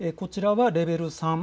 こちらはレベル３。